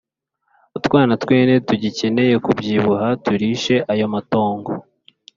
utwana tw’ihene tugikeneye kubyibuha, turishe ayo matongo.